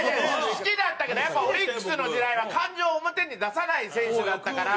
好きだったけどやっぱオリックスの時代は感情を表に出さない選手だったから。